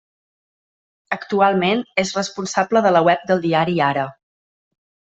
Actualment, és responsable de la web del diari Ara.